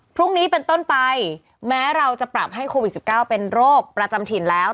พรุ่งนี้เป็นต้นไปแม้เราจะปรับให้โควิด๑๙เป็นโรคประจำถิ่นแล้ว